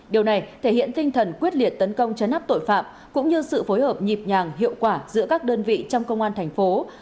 điều này thể hiện tinh thần quyết liệt tấn công chấn áp tội phạm cũng như sự phối hợp nhịp nhàng hiệu quả giữa các đơn vị trong công an thành phố